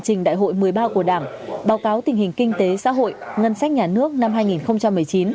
trình đại hội một mươi ba của đảng báo cáo tình hình kinh tế xã hội ngân sách nhà nước năm hai nghìn một mươi chín